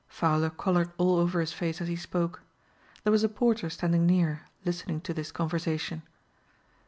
Fowler colored all over his face as he spoke. There was a porter standing near, listening to this conversation.